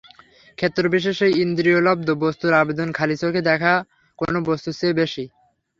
ক্ষেত্রবিশেষে ইন্দ্রিয়লব্ধ বস্তুর আবেদন খালি চোখে দেখা কোনো বস্তুর চেয়ে বেশি।